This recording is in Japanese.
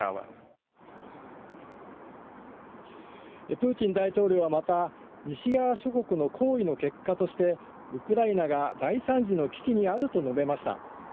プーチン大統領はまた、西側諸国の行為の結果として、ウクライナが大惨事の危機にあると述べました。